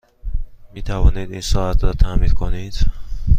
می توانید این ساعت را تعمیر کنید؟